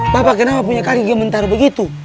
bapak kenapa punya kaget mentar begitu